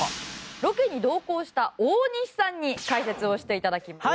ロケに同行した大西さんに解説をして頂きます。